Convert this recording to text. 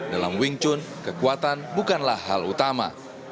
dalam wing chun kekuatan bukanlah hal utama